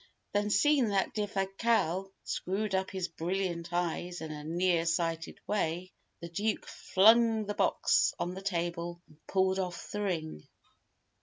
Then, seeing that Defasquelle screwed up his brilliant eyes in a near sighted way, the Duke flung the box on the table, and pulled off the ring.